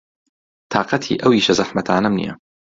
تاقەتی ئەو ئیشە زەحمەتانەم نییە.